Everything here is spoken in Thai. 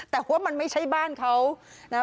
แต่ว่ามันไม่ใช่บ้านเขา